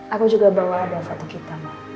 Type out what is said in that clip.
aku juga bawa ada foto kita